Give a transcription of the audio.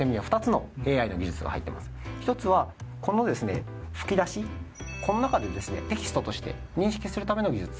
１つはこの吹き出しこの中でテキストとして認識するための技術。